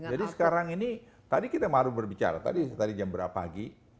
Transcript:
sekarang ini tadi kita baru berbicara tadi jam berapa pagi